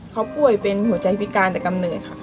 เขาป่วยเป็นหัวใจพิการแต่กำเนิดค่ะ